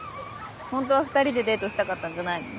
ホントは２人でデートしたかったんじゃないの？